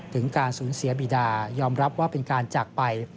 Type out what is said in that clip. ถึงการสูญเสียบีดายอมรับว่าเป็นการจากไป